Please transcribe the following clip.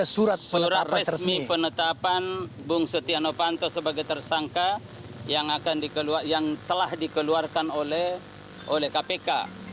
surat resmi penetapan bung setia novanto sebagai tersangka yang telah dikeluarkan oleh kpk